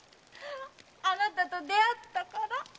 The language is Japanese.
あなたと出会ったから！